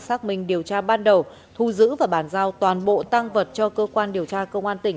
xác minh điều tra ban đầu thu giữ và bàn giao toàn bộ tăng vật cho cơ quan điều tra công an tỉnh